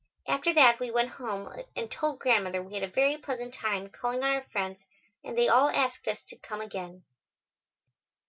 After that, we went home and told Grandmother we had a very pleasant time calling on our friends and they all asked us to come again.